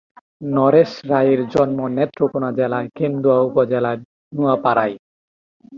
নরেশ রায়ের জন্ম নেত্রকোণা জেলার কেন্দুয়া উপজেলার নোয়াপাড়ায়।